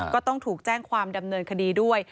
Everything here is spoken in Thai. ก็ต้องถูกแจ้งความดำเนินคดีด้วย